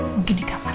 mungkin di kamar